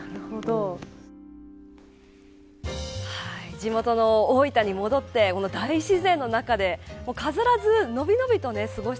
地元の大分に戻って大自然の中で飾らずのびのびと暮らし